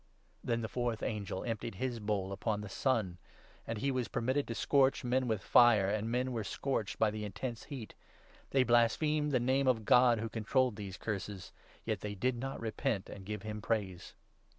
Then the fourth angel emptied his bowl upon the sun ; and 8 he was permitted to scorch men with fire ; and men were 9 scorched by the intense heat. They blasphemed the Name of God who controlled these Curses, yet they did not repent and give him praise.